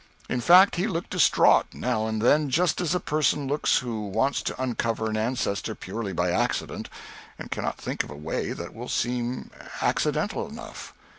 In fact he looked distraught, now and then just as a person looks who wants to uncover an ancestor purely by accident, and cannot think of a way that will seem accidental enough.